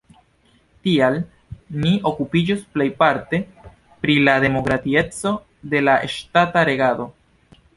Tial ni okupiĝos plejparte pri la demokratieco de la ŝtata regado.